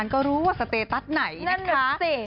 อย่างนั้นไม่พอ